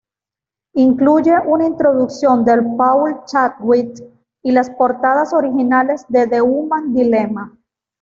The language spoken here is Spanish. Incluye una introducción de Paul Chadwick y las portadas originales de The Human Dilema.